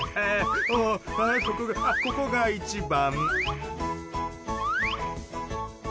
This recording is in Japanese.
ああここがここが一番。